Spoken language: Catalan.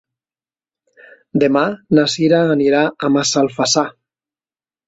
Demà na Cira anirà a Massalfassar.